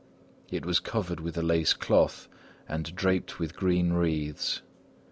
It was covered with a lace cloth and draped with green wreaths.